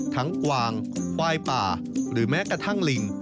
กวางควายป่าหรือแม้กระทั่งลิง